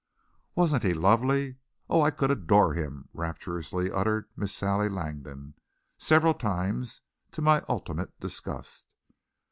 "Wasn't he lovely? Oh, I could adore him!" rapturously uttered Miss Sally Langdon several times, to my ultimate disgust.